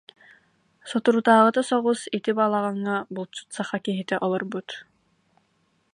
«Соторутааҕыта соҕус ити балаҕаҥҥа булчут саха киһитэ олорбут